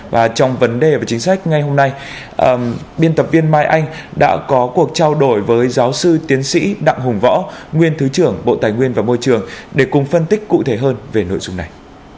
và trong vấn đề về chính sách ngay hôm nay biên tập viên mai anh đã có cuộc trao đổi với giáo sư tiến sĩ đặng hùng võ nguyên thứ trưởng bộ tài nguyên và môi trường để cùng phân tích cụ thể hơn về nội dung này